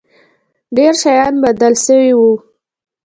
ډېر شيان بدل سوي وو.